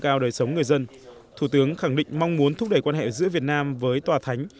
cao đời sống người dân thủ tướng khẳng định mong muốn thúc đẩy quan hệ giữa việt nam với tòa thánh